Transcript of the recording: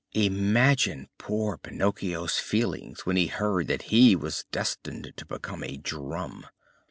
Imagine poor Pinocchio's feelings when he heard that he was destined to become a drum!